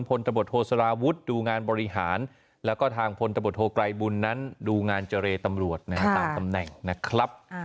ตบทโทสารวุฒิดูงานบริหารแล้วก็ทางพลตำรวจโทไกรบุญนั้นดูงานเจรตำรวจตามตำแหน่งนะครับ